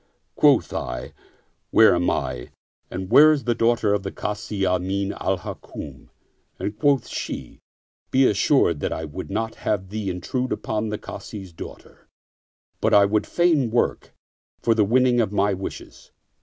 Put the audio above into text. Quoth I, " Where am I and where is the daughter of the Kazi Amin al Hukm ?" and quoth she, " Be assured that I would not have thee intrude upon the Kazi's daughter, but I would fain work for the winning of my wishes.